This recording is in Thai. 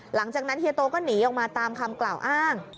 หลังจากนั้นเฮียโตก็หนีออกมาตามคำกล่าวอ้าง